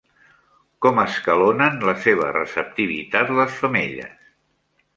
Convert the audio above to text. Com escalonen la seva receptivitat les femelles?